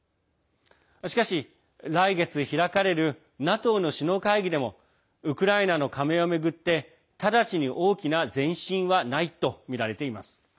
しかし、来月開かれるＮＡＴＯの首脳会議でもウクライナの加盟を巡って直ちに大きな前進はないとみられています。